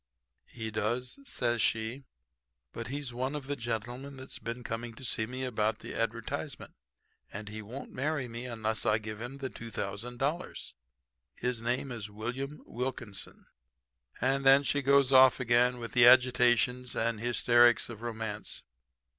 "'He does,' says she. 'But he's one of the gentlemen that's been coming to see me about the advertisement and he won't marry me unless I give him the $2,000. His name is William Wilkinson.' And then she goes off again in the agitations and hysterics of romance.